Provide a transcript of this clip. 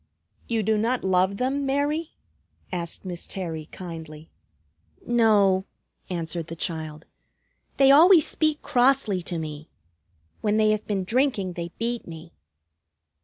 "You do not love them, Mary?" asked Miss Terry kindly. "No," answered the child. "They always speak crossly to me. When they have been drinking they beat me."